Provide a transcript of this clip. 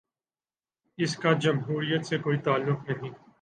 اس کا جمہوریت سے کوئی تعلق نہیں۔